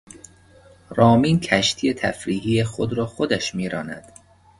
رامین کشتی تفریحی خود را خودش میراند.